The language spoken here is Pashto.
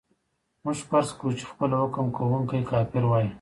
موږ فرض کوو چې خپله حکم کوونکی کافر وای.